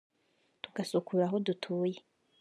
tugasukura aho dutuye